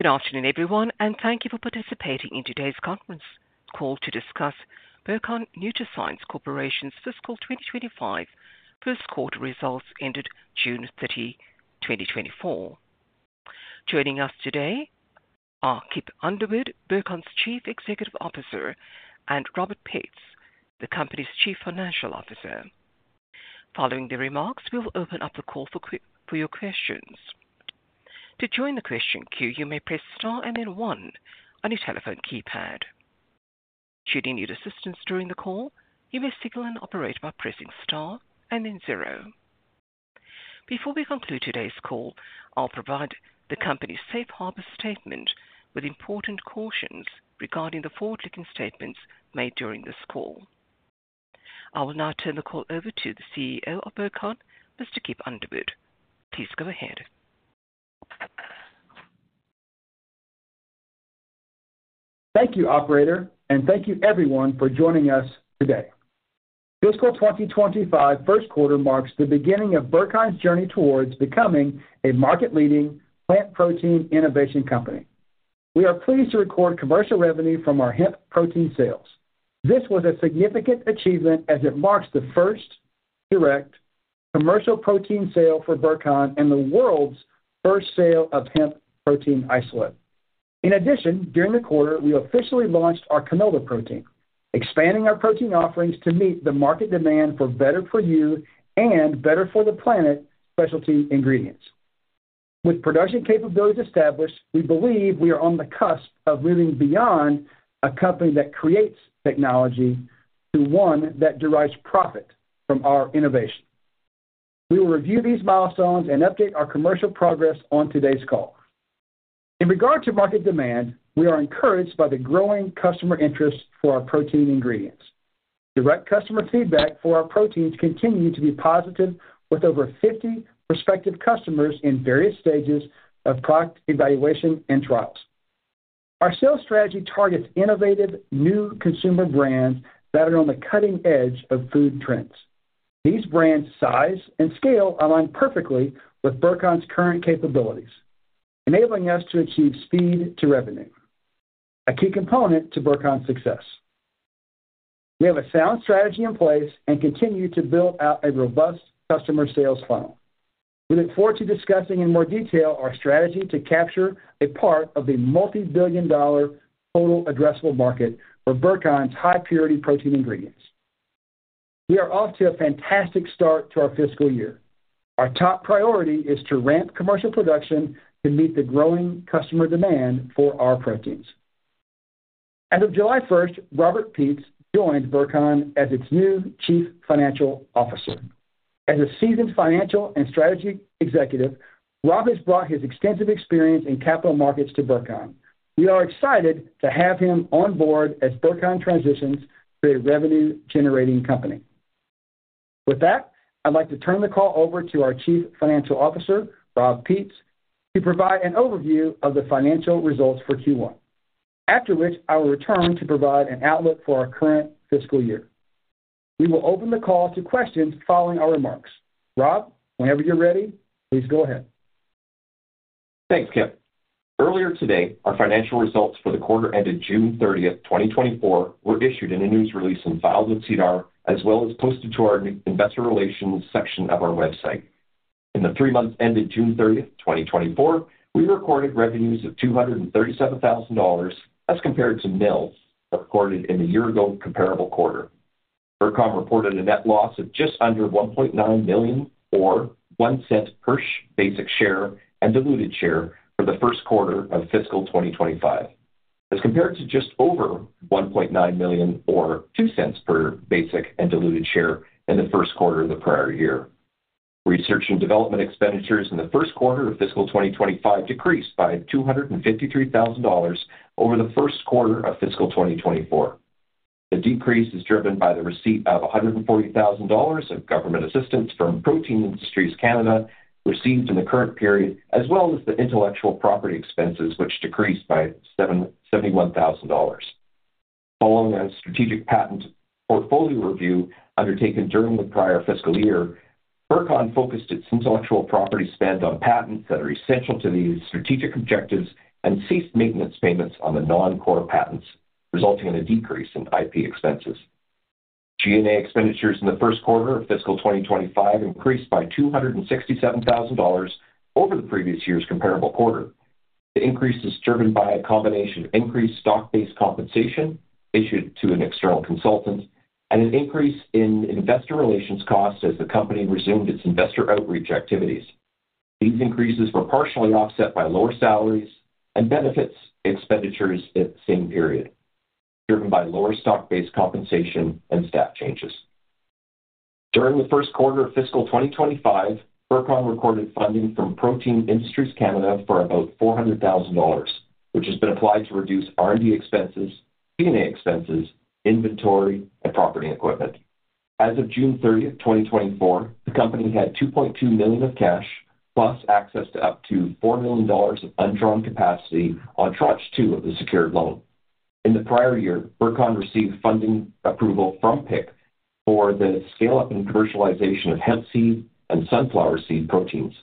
Good afternoon, everyone, and thank you for participating in today's conference call to discuss Burcon NutraScience Corporation's fiscal 2025 first quarter results ended June 30, 2024. Joining us today are Kip Underwood, Burcon's Chief Executive Officer, and Robert Peets, the company's Chief Financial Officer. Following the remarks, we will open up the call for your questions. To join the question queue, you may press star and then one on your telephone keypad. Should you need assistance during the call, you may signal an operator by pressing star and then zero. Before we conclude today's call, I'll provide the company's safe harbor statement with important cautions regarding the forward-looking statements made during this call. I will now turn the call over to the CEO of Burcon, Mr. Kip Underwood. Please go ahead. Thank you, operator, and thank you everyone for joining us today. Fiscal 2025 first quarter marks the beginning of Burcon's journey towards becoming a market-leading plant protein innovation company. We are pleased to record commercial revenue from our hemp protein sales. This was a significant achievement as it marks the first direct commercial protein sale for Burcon and the world's first sale of hemp protein isolate. In addition, during the quarter, we officially launched our canola protein, expanding our protein offerings to meet the market demand for better for you and better for the planet specialty ingredients. With production capabilities established, we believe we are on the cusp of moving beyond a company that creates technology to one that derives profit from our innovation. We will review these milestones and update our commercial progress on today's call. In regard to market demand, we are encouraged by the growing customer interest for our protein ingredients. Direct customer feedback for our proteins continue to be positive, with over 50 prospective customers in various stages of product evaluation and trials. Our sales strategy targets innovative new consumer brands that are on the cutting edge of food trends. These brands' size and scale align perfectly with Burcon's current capabilities, enabling us to achieve speed to revenue, a key component to Burcon's success. We have a sound strategy in place and continue to build out a robust customer sales funnel. We look forward to discussing in more detail our strategy to capture a part of the multi-billion-dollar total addressable market for Burcon's high purity protein ingredients. We are off to a fantastic start to our fiscal year. Our top priority is to ramp commercial production to meet the growing customer demand for our proteins. As of July first, Robert Peets joined Burcon as its new Chief Financial Officer. As a seasoned financial and strategy executive, Robert's brought his extensive experience in capital markets to Burcon. We are excited to have him on board as Burcon transitions to a revenue-generating company. With that, I'd like to turn the call over to our Chief Financial Officer, Rob Peets, to provide an overview of the financial results for Q1. After which, I will return to provide an outlook for our current fiscal year. We will open the call to questions following our remarks. Rob, whenever you're ready, please go ahead. Thanks, Kip. Earlier today, our financial results for the quarter ended June 30, 2024, were issued in a news release and filed with SEDAR, as well as posted to our investor relations section of our website. In the three months ended June 30, 2024, we recorded revenues of 237,000 dollars, as compared to nil recorded in the year-ago comparable quarter. Burcon reported a net loss of just under 1.9 million, or 1 cent per basic share and diluted share for the first quarter of fiscal 2025, as compared to just over 1.9 million or 2 cents per basic and diluted share in the first quarter of the prior year. Research and development expenditures in the first quarter of fiscal 2025 decreased by 253,000 dollars over the first quarter of fiscal 2024. The decrease is driven by the receipt of 140,000 dollars of government assistance from Protein Industries Canada, received in the current period, as well as the intellectual property expenses, which decreased by 71,000 dollars. Following a strategic patent portfolio review undertaken during the prior fiscal year, Burcon focused its intellectual property spend on patents that are essential to these strategic objectives and ceased maintenance payments on the non-core patents, resulting in a decrease in IP expenses. G&A expenditures in the first quarter of fiscal 2025 increased by 267,000 dollars over the previous year's comparable quarter. The increase is driven by a combination of increased stock-based compensation issued to an external consultant and an increase in investor relations costs as the company resumed its investor outreach activities. These increases were partially offset by lower salaries and benefits expenditures in the same period, driven by lower stock-based compensation and staff changes. During the first quarter of fiscal 2025, Burcon recorded funding from Protein Industries Canada for about 400,000 dollars, which has been applied to reduce R&D expenses, G&A expenses, inventory, and property and equipment. As of June thirtieth, 2024, the company had 2.2 million of cash, plus access to up to 4 million dollars of undrawn capacity on tranche 2 of the secured loan.... In the prior year, Burcon received funding approval from PIC for the scale-up and commercialization of hemp seed and sunflower seed proteins.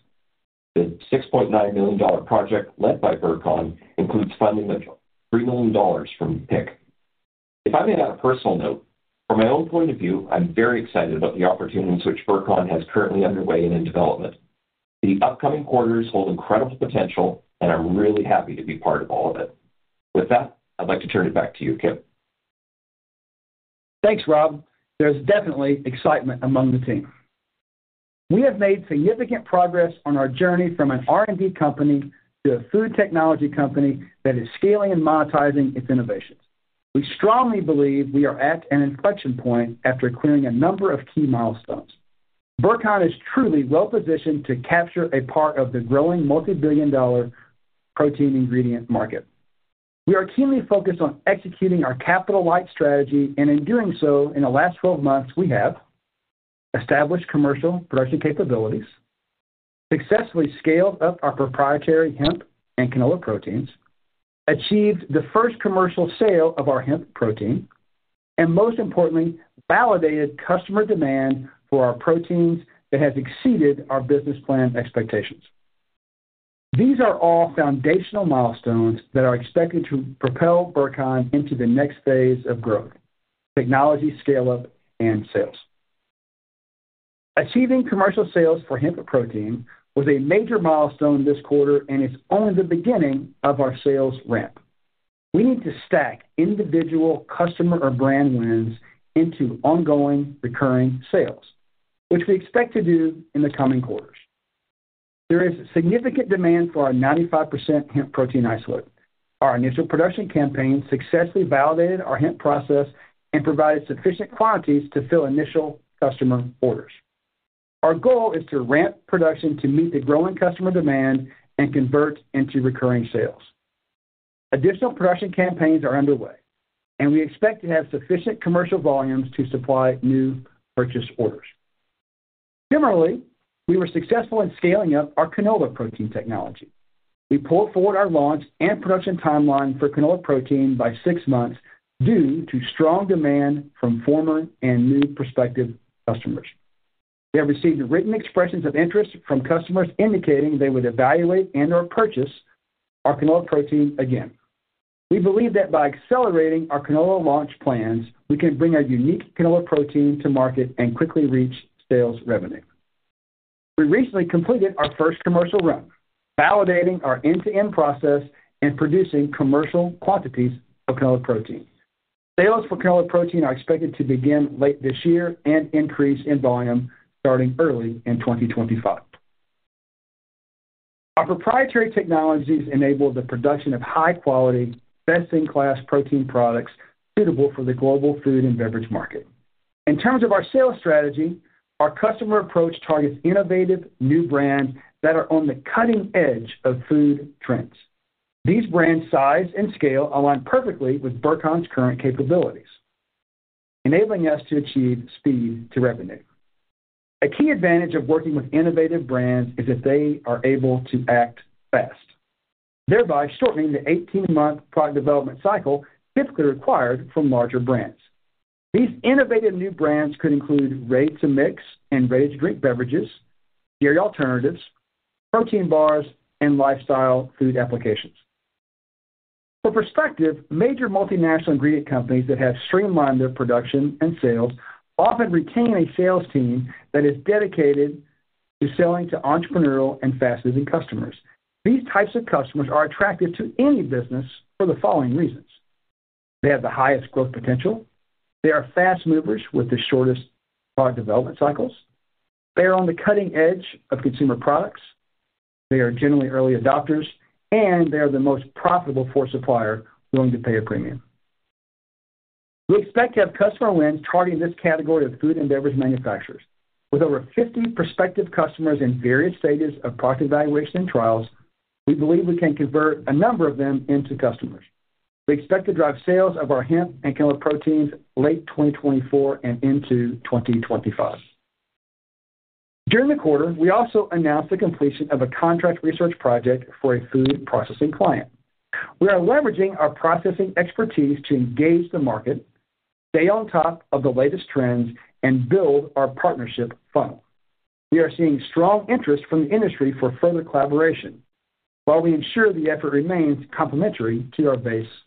The 6.9 million dollar project, led by Burcon, includes funding of 3 million dollars from PIC. If I may add a personal note, from my own point of view, I'm very excited about the opportunities which Burcon has currently underway and in development. The upcoming quarters hold incredible potential, and I'm really happy to be part of all of it. With that, I'd like to turn it back to you, Kip. Thanks, Rob. There's definitely excitement among the team. We have made significant progress on our journey from an R&D company to a food technology company that is scaling and monetizing its innovations. We strongly believe we are at an inflection point after clearing a number of key milestones. Burcon is truly well-positioned to capture a part of the growing multibillion-dollar protein ingredient market. We are keenly focused on executing our capital-light strategy, and in doing so, in the last 12 months, we have established commercial production capabilities, successfully scaled up our proprietary hemp and canola proteins, achieved the first commercial sale of our hemp protein, and most importantly, validated customer demand for our proteins that has exceeded our business plan expectations. These are all foundational milestones that are expected to propel Burcon into the next phase of growth, technology scale-up, and sales. Achieving commercial sales for hemp protein was a major milestone this quarter, and it's only the beginning of our sales ramp. We need to stack individual customer or brand wins into ongoing recurring sales, which we expect to do in the coming quarters. There is significant demand for our 95% hemp protein isolate. Our initial production campaign successfully validated our hemp process and provided sufficient quantities to fill initial customer orders. Our goal is to ramp production to meet the growing customer demand and convert into recurring sales. Additional production campaigns are underway, and we expect to have sufficient commercial volumes to supply new purchase orders. Similarly, we were successful in scaling up our canola protein technology. We pulled forward our launch and production timeline for canola protein by six months due to strong demand from former and new prospective customers. We have received written expressions of interest from customers indicating they would evaluate and/or purchase our canola protein again. We believe that by accelerating our canola launch plans, we can bring our unique canola protein to market and quickly reach sales revenue. We recently completed our first commercial run, validating our end-to-end process and producing commercial quantities of canola protein. Sales for canola protein are expected to begin late this year and increase in volume starting early in 2025. Our proprietary technologies enable the production of high-quality, best-in-class protein products suitable for the global food and beverage market. In terms of our sales strategy, our customer approach targets innovative new brands that are on the cutting edge of food trends. These brands' size and scale align perfectly with Burcon's current capabilities, enabling us to achieve speed to revenue. A key advantage of working with innovative brands is that they are able to act fast, thereby shortening the 18-month product development cycle typically required for larger brands. These innovative new brands could include ready-to-mix and ready-to-drink beverages, dairy alternatives, protein bars, and lifestyle food applications. For perspective, major multinational ingredient companies that have streamlined their production and sales often retain a sales team that is dedicated to selling to entrepreneurial and fast-moving customers. These types of customers are attractive to any business for the following reasons: They have the highest growth potential. They are fast movers with the shortest product development cycles. They are on the cutting edge of consumer products. They are generally early adopters, and they are the most profitable for a supplier willing to pay a premium. We expect to have customer wins targeting this category of food and beverage manufacturers. With over 50 prospective customers in various stages of product evaluations and trials, we believe we can convert a number of them into customers. We expect to drive sales of our hemp and canola proteins late 2024 and into 2025. During the quarter, we also announced the completion of a contract research project for a food processing client. We are leveraging our processing expertise to engage the market, stay on top of the latest trends, and build our partnership funnel. We are seeing strong interest from the industry for further collaboration, while we ensure the effort remains complementary to our base business.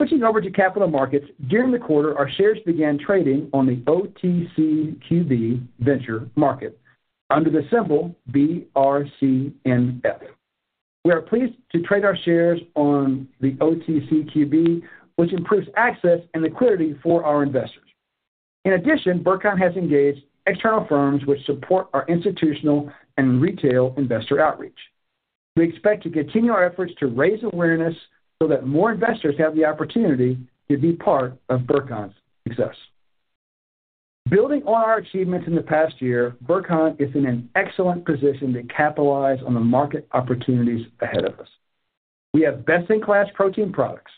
Switching over to capital markets, during the quarter, our shares began trading on the OTCQB Venture Market under the symbol BRCNF. We are pleased to trade our shares on the OTCQB, which improves access and liquidity for our investors. In addition, Burcon has engaged external firms which support our institutional and retail investor outreach. We expect to continue our efforts to raise awareness so that more investors have the opportunity to be part of Burcon's success. Building on our achievements in the past year, Burcon is in an excellent position to capitalize on the market opportunities ahead of us. We have best-in-class protein products,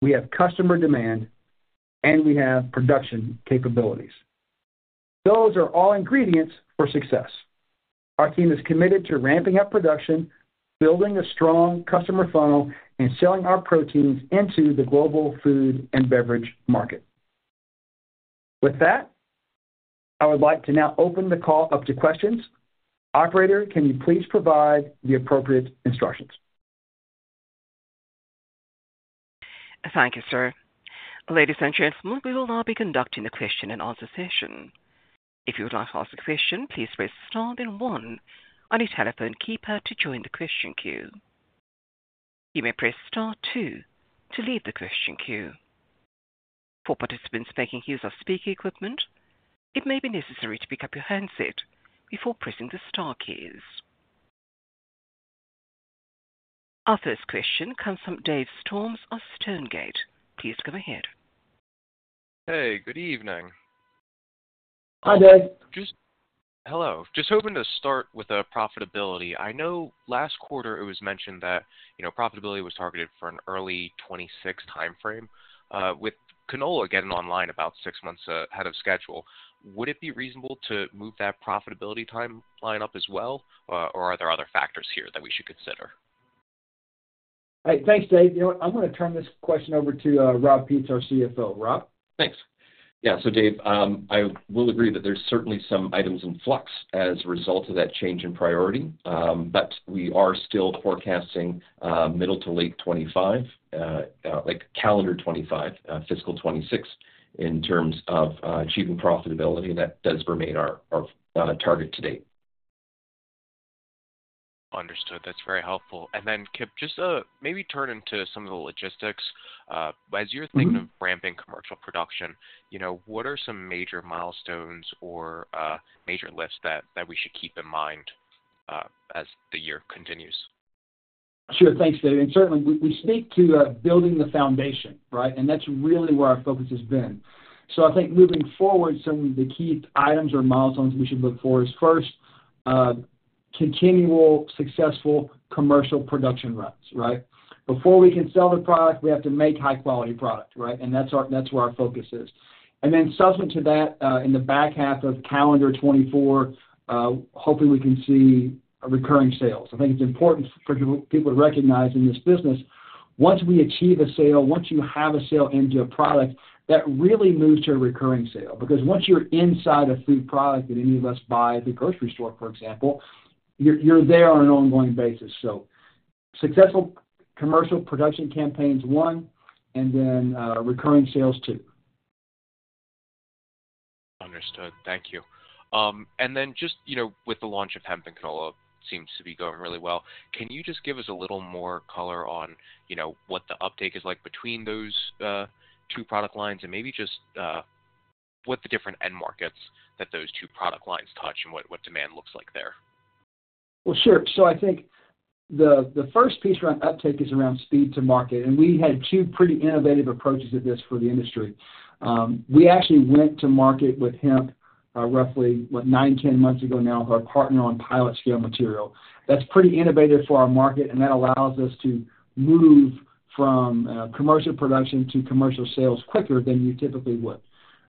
we have customer demand, and we have production capabilities.... Those are all ingredients for success. Our team is committed to ramping up production, building a strong customer funnel, and selling our proteins into the global food and beverage market. With that, I would like to now open the call up to questions. Operator, can you please provide the appropriate instructions? Thank you, sir. Ladies and gentlemen, we will now be conducting a question-and-answer session. If you would like to ask a question, please press star then one on your telephone keypad to join the question queue. You may press star two to leave the question queue. For participants making use of speaker equipment, it may be necessary to pick up your handset before pressing the star keys. Our first question comes from Dave Storms of Stonegate. Please go ahead. Hey, good evening. Hi, Dave. Hoping to start with profitability. I know last quarter it was mentioned that, you know, profitability was targeted for an early 2026 timeframe. With canola getting online about six months ahead of schedule, would it be reasonable to move that profitability timeline up as well, or are there other factors here that we should consider? Hey, thanks, Dave. You know what? I'm gonna turn this question over to Rob Peets, our CFO. Rob? Thanks. Yeah, so Dave, I will agree that there's certainly some items in flux as a result of that change in priority. But we are still forecasting middle to late 2025, like calendar 2025, fiscal 2026, in terms of achieving profitability, and that does remain our target to date. Understood. That's very helpful. And then, Kip, just maybe turn into some of the logistics. As you're thinking of ramping commercial production, you know, what are some major milestones or major lifts that we should keep in mind as the year continues? Sure. Thanks, Dave. And certainly, we speak to building the foundation, right? And that's really where our focus has been. So I think moving forward, some of the key items or milestones we should look for is, first, continual successful commercial production runs, right? Before we can sell the product, we have to make high-quality product, right? And that's where our focus is. And then subsequent to that, in the back half of calendar 2024, hoping we can see recurring sales. I think it's important for people to recognize in this business, once we achieve a sale, once you have a sale into a product, that really moves to a recurring sale. Because once you're inside a food product that any of us buy at the grocery store, for example, you're there on an ongoing basis. Successful commercial production campaign's one, and then recurring sales, two. Understood. Thank you. And then just, you know, with the launch of hemp and canola, seems to be going really well. Can you just give us a little more color on, you know, what the uptake is like between those, two product lines? And maybe just, what the different end markets that those two product lines touch and what demand looks like there? Well, sure. So I think the first piece around uptake is around speed to market, and we had 2 pretty innovative approaches to this for the industry. We actually went to market with hemp roughly 9-10 months ago now, with our partner on pilot scale material. That's pretty innovative for our market, and that allows us to move from commercial production to commercial sales quicker than you typically would.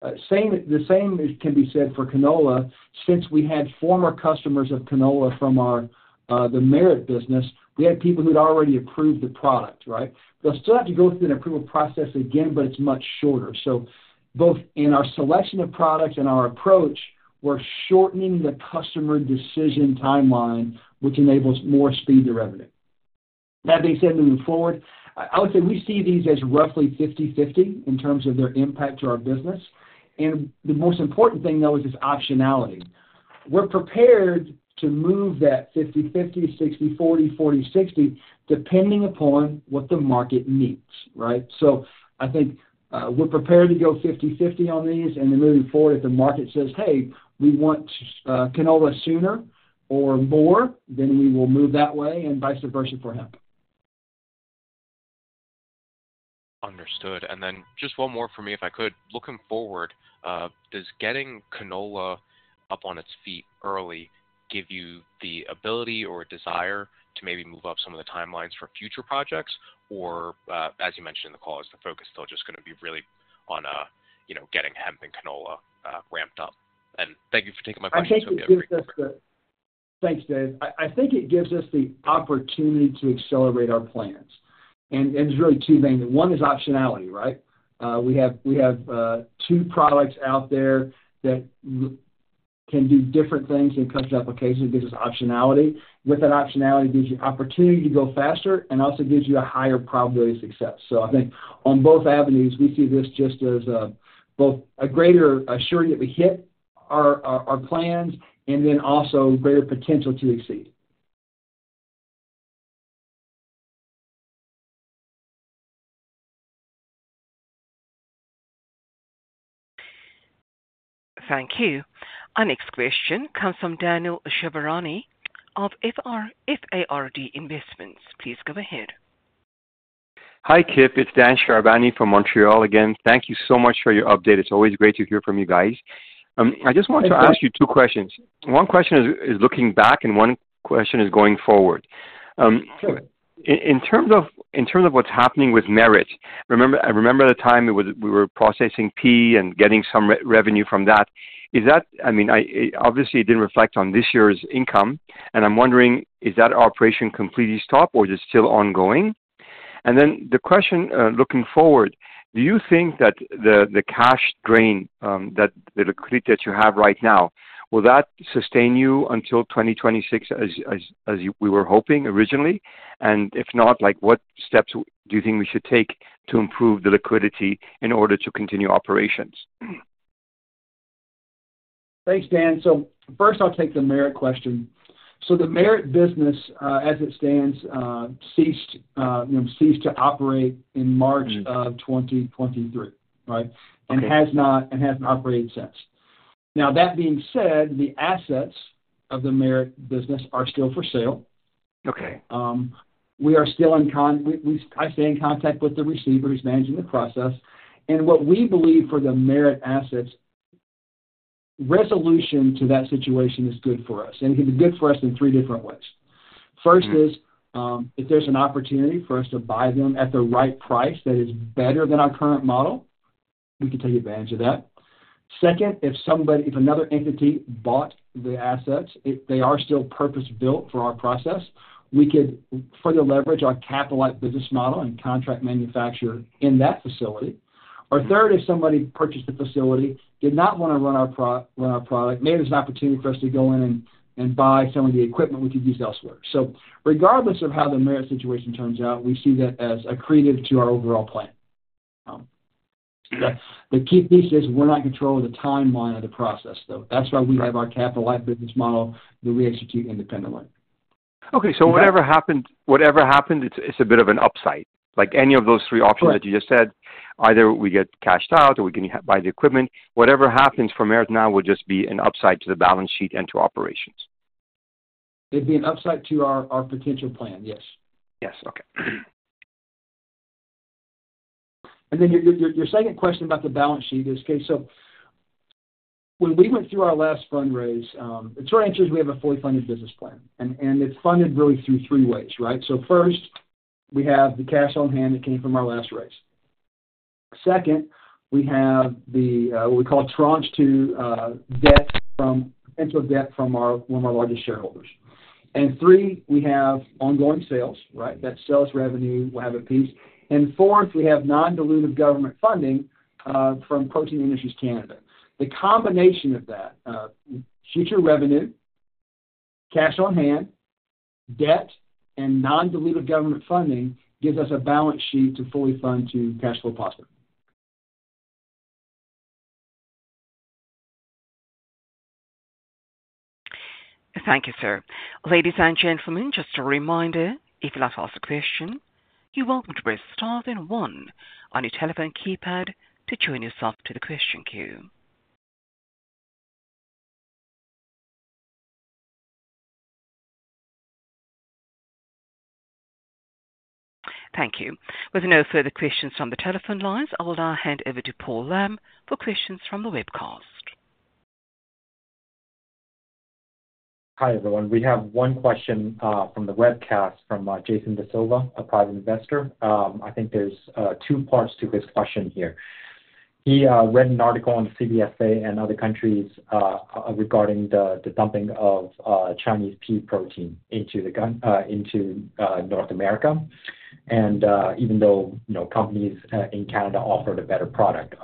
The same can be said for canola. Since we had former customers of canola from our the Merit business, we had people who'd already approved the product, right? They'll still have to go through an approval process again, but it's much shorter. So both in our selection of products and our approach, we're shortening the customer decision timeline, which enables more speed to revenue. That being said, moving forward, I would say we see these as roughly 50/50 in terms of their impact to our business, and the most important thing, though, is this optionality. We're prepared to move that 50/50, 60/40, 40/60, depending upon what the market needs, right? So I think, we're prepared to go 50/50 on these, and then moving forward, if the market says, "Hey, we want, canola sooner or more," then we will move that way, and vice versa for hemp. Understood. And then just one more for me, if I could. Looking forward, does getting canola up on its feet early give you the ability or desire to maybe move up some of the timelines for future projects? Or, as you mentioned in the call, is the focus still just gonna be really on, you know, getting hemp and canola ramped up? And thank you for taking my question. I think it gives us, thanks, Dave. I think it gives us the opportunity to accelerate our plans, and it's really two things. One is optionality, right? We have two products out there that can do different things when it comes to applications. It gives us optionality. With that optionality, it gives you opportunity to go faster and also gives you a higher probability of success. So I think on both avenues, we see this just as both a greater assurance that we hit our plans, and then also greater potential to exceed. Thank you. Our next question comes from Daniel Shahrabani of Fard Investments. Please go ahead. Hi, Kip. It's Dan Shahrabani from Montreal again. Thank you so much for your update. It's always great to hear from you guys. I just want to ask you two questions. One question is looking back, and one question is going forward. In terms of what's happening with Merit, remember, at the time it was—we were processing pea and getting some revenue from that. Is that—I mean, obviously, it didn't reflect on this year's income, and I'm wondering, is that operation completely stopped, or is it still ongoing? And then the question, looking forward, do you think that the cash drain, that the liquidity that you have right now, will that sustain you until 2026 as we were hoping originally? And if not, like, what steps do you think we should take to improve the liquidity in order to continue operations? Thanks, Dan. First, I'll take the Merit question. The Merit business, as it stands, you know, ceased to operate in March of 2023, right? Okay. Has not, and hasn't operated since. Now, that being said, the assets of the Merit business are still for sale. Okay. We are still in contact with the receivers managing the process, and what we believe for the Merit assets, resolution to that situation is good for us, and it can be good for us in three different ways. Mm-hmm. First is, if there's an opportunity for us to buy them at the right price that is better than our current model, we can take advantage of that. Second, if another entity bought the assets, they are still purpose-built for our process. We could further leverage our capital-light business model and contract manufacture in that facility. Or third, if somebody purchased the facility, did not wanna run our product, maybe there's an opportunity for us to go in and buy some of the equipment we could use elsewhere. So regardless of how the Merit situation turns out, we see that as accretive to our overall plan. The key piece is we're not in control of the timeline of the process, though. That's why we have our capital-light business model that we execute independently. Okay, so whatever happened, it's a bit of an upside, like any of those three options. Right... that you just said, either we get cashed out or we can buy the equipment. Whatever happens from Merit now will just be an upside to the balance sheet and to operations. It'd be an upside to our potential plan, yes. Yes. Okay. And then your second question about the balance sheet. Okay, so when we went through our last fundraise, the short answer is we have a fully funded business plan, and it's funded really through three ways, right? So first, we have the cash on hand that came from our last raise. Second, we have what we call tranche two debt from one of our largest shareholders. And three, we have ongoing sales, right? That's sales revenue, we'll have a piece. And fourth, we have non-dilutive government funding from Protein Industries Canada. The combination of that, future revenue, cash on hand, debt, and non-dilutive government funding, gives us a balance sheet to fully fund to cash flow positive. Thank you, sir. Ladies and gentlemen, just a reminder, if you'd like to ask a question, you're welcome to press star then one on your telephone keypad to join yourself to the question queue. Thank you. With no further questions from the telephone lines, I will now hand over to Paul Lam for questions from the webcast. Hi, everyone. We have one question from the webcast from Jason Da Silva, a private investor. I think there's two parts to this question here. He read an article on CBSA and other countries regarding the dumping of Chinese pea protein into North America, and even though, you know, companies in Canada offered a better product.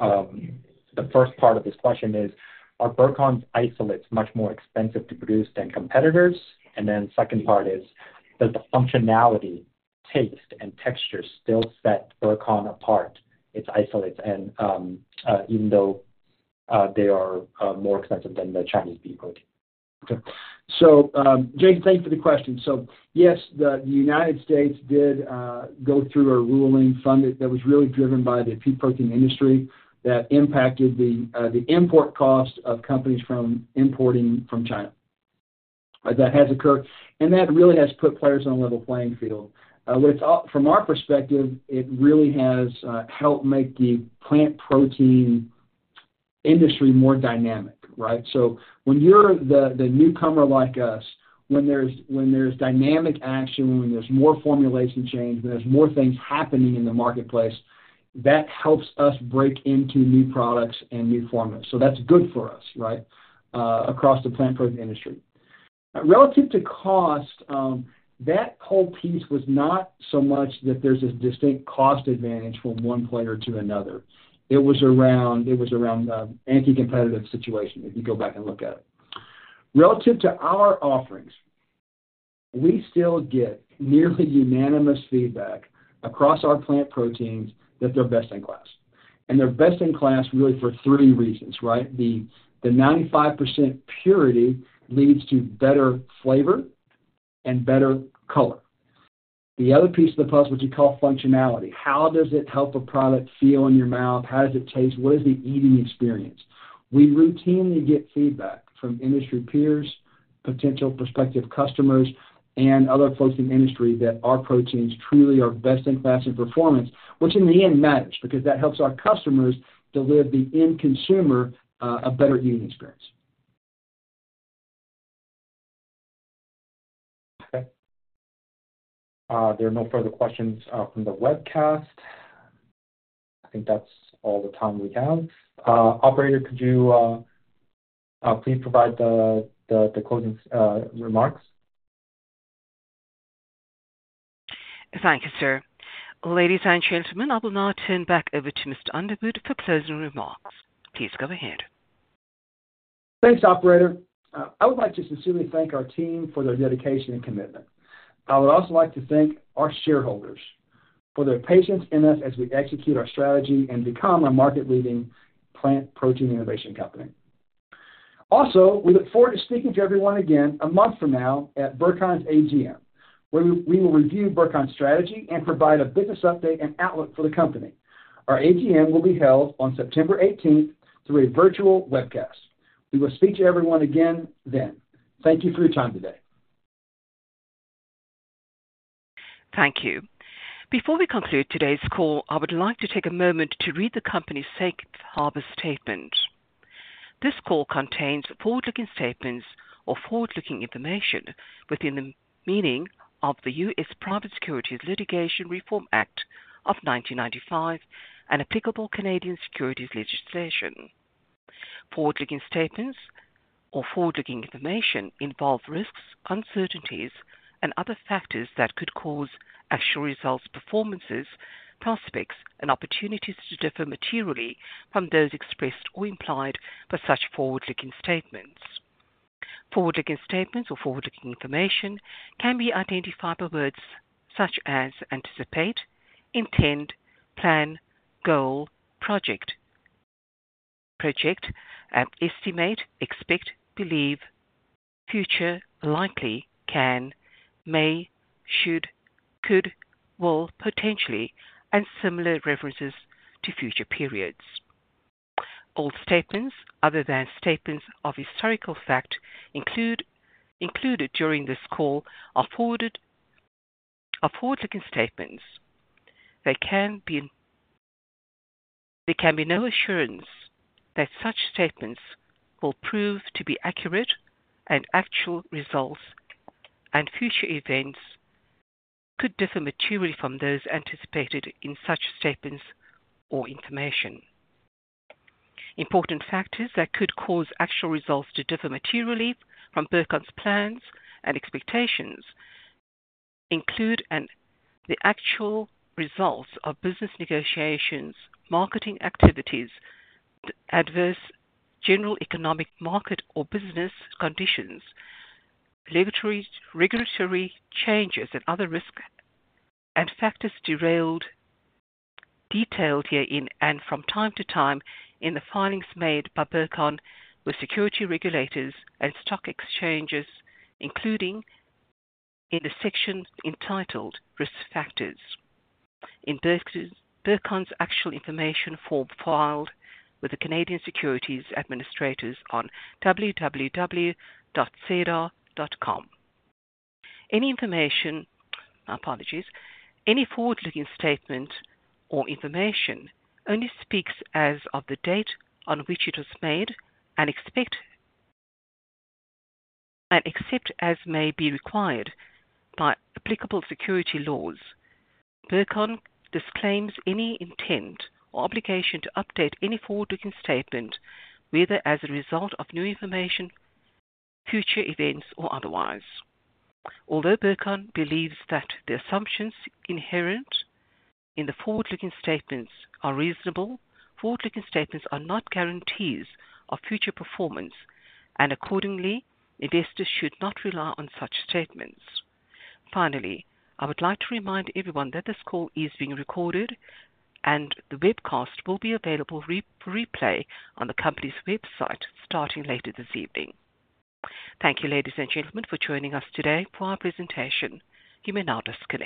The first part of this question is, "Are Burcon's isolates much more expensive to produce than competitors?" And then second part is, "Does the functionality, taste, and texture still set Burcon apart its isolates and even though they are more expensive than the Chinese pea protein? Jason, thank you for the question. Yes, the United States did go through a ruling funded that was really driven by the pea protein industry that impacted the import cost of companies from importing from China. That has occurred, and that really has put players on a level playing field. But it's from our perspective, it really has helped make the plant protein industry more dynamic, right? So when you're the newcomer like us, when there's dynamic action, when there's more formulation change, when there's more things happening in the marketplace, that helps us break into new products and new formulas. So that's good for us, right, across the plant protein industry. Relative to cost, that whole piece was not so much that there's a distinct cost advantage from one player to another. It was around anticompetitive situation, if you go back and look at it. Relative to our offerings, we still get nearly unanimous feedback across our plant proteins that they're best in class, and they're best in class really for three reasons, right? The 95% purity leads to better flavor and better color. The other piece of the puzzle, which you call functionality, how does it help a product feel in your mouth? How does it taste? What is the eating experience? We routinely get feedback from industry peers, potential prospective customers, and other folks in the industry that our proteins truly are best in class in performance, which in the end matters, because that helps our customers deliver the end consumer a better eating experience.... Okay. There are no further questions from the webcast. I think that's all the time we have. Operator, could you please provide the closing remarks? Thank you, sir. Ladies and gentlemen, I will now turn back over to Mr. Underwood for closing remarks. Please go ahead. Thanks, operator. I would like to sincerely thank our team for their dedication and commitment. I would also like to thank our shareholders for their patience in us as we execute our strategy and become a market-leading plant protein innovation company. Also, we look forward to speaking to everyone again a month from now at Burcon's AGM, where we will review Burcon's strategy and provide a business update and outlook for the company. Our AGM will be held on September eighteenth through a virtual webcast. We will speak to everyone again then. Thank you for your time today. Thank you. Before we conclude today's call, I would like to take a moment to read the company's safe harbor statement. This call contains forward-looking statements or forward-looking information within the meaning of the U.S. Private Securities Litigation Reform Act of 1995 and applicable Canadian securities legislation. Forward-looking statements or forward-looking information involve risks, uncertainties, and other factors that could cause actual results, performances, prospects, and opportunities to differ materially from those expressed or implied for such forward-looking statements. Forward-looking statements or forward-looking information can be identified by words such as anticipate, intend, plan, goal, project, project, and estimate, expect, believe, future, likely, can, may, should, could, will, potentially, and similar references to future periods. All statements other than statements of historical fact included during this call are forward-looking statements. They can be... There can be no assurance that such statements will prove to be accurate, and actual results and future events could differ materially from those anticipated in such statements or information. Important factors that could cause actual results to differ materially from Burcon's plans and expectations include the actual results of business negotiations, marketing activities, adverse general economic market or business conditions, regulatory changes, and other risk factors detailed herein and from time to time in the filings made by Burcon with securities regulators and stock exchanges, including in the section entitled Risk Factors. In Burcon's Annual Information Form filed with the Canadian Securities Administrators on www.sedar.com. Any information... My apologies. Any forward-looking statement or information only speaks as of the date on which it was made and except as may be required by applicable securities laws. Burcon disclaims any intent or obligation to update any forward-looking statement, whether as a result of new information, future events, or otherwise. Although Burcon believes that the assumptions inherent in the forward-looking statements are reasonable, forward-looking statements are not guarantees of future performance, and accordingly, investors should not rely on such statements. Finally, I would like to remind everyone that this call is being recorded, and the webcast will be available replay on the company's website starting later this evening. Thank you, ladies and gentlemen, for joining us today for our presentation. You may now disconnect.